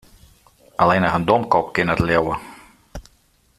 Allinnich in domkop kin dat leauwe.